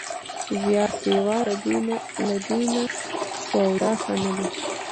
زیات سیوا له دې نه، سودا ښه نه ده